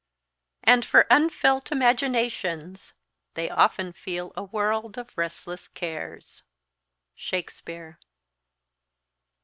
"And for unfelt imaginations They often feel a world of restless cares." SHAKESPEARE.